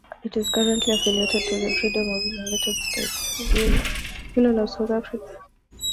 It is currently affiliated to the Federation of Unions of South Africa.